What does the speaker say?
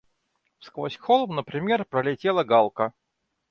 Сквозь холм, например, пролетела галка.